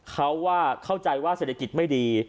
เขาว่าเข้าใจว่าเศรษฐกิจไม่ดี